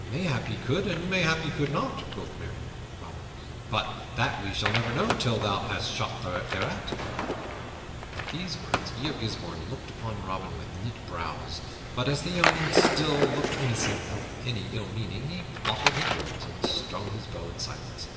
"Mayhap he could and mayhap he could not," quoth merry Robin, "but that we shall never know till thou hast shot thereat." At these words Guy of Gisbourne looked upon Robin with knit brows, but, as the yeoman still looked innocent of any ill meaning, he bottled his words and strung his bow in silence.